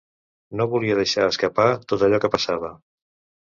No volia deixar escapar tot allò que passava.